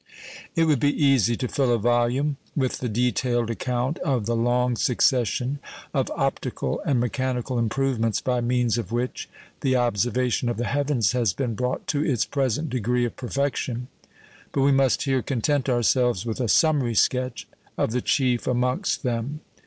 It would be easy to fill a volume with the detailed account of the long succession of optical and mechanical improvements by means of which the observation of the heavens has been brought to its present degree of perfection; but we must here content ourselves with a summary sketch of the chief amongst them.